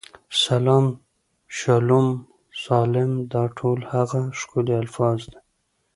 سلام، شالوم، سالم، دا ټول هغه ښکلي الفاظ دي.